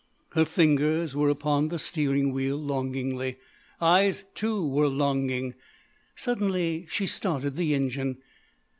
Her fingers were upon the steering wheel, longingly. Eyes, too, were longing. Suddenly she started the engine.